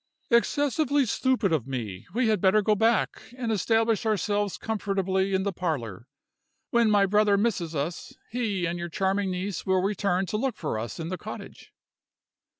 "Excessively stupid of me! We had better go back, and establish ourselves comfortably in the parlor. When my brother misses us, he and your charming niece will return to look for us in the cottage."